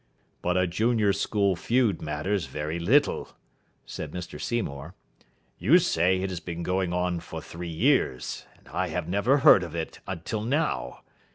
"But a junior school feud matters very little," said Mr Seymour. "You say it has been going on for three years; and I have never heard of it till now.